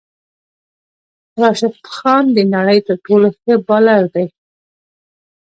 راشد خان د نړی تر ټولو ښه بالر دی